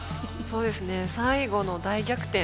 そうですね最後の大逆転。